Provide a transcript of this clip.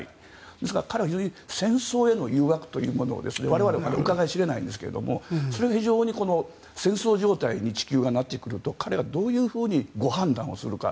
ですから彼は非常に戦争への誘惑というものを我々はうかがい知れないんですがそれが非常に戦争状態に地球がなってくると彼がどういうふうにご判断をするか。